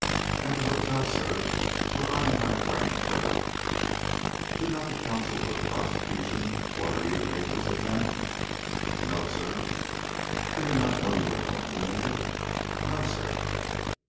"At the hotel, sir, where I and my friend put up." "Did not the counsel for the prosecution order you to make this attempt?" "No, sir." "Did he not know you were going to make it?" "No, sir."